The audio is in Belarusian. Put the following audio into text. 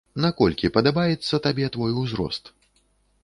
Наколькі падабаецца табе твой узрост?